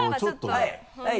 「はい」